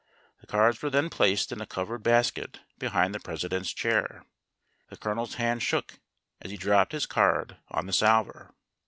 The cards were then placed in a covered basket behind the President's chair. The Colonel's hand shook as he dropped his card on the salver.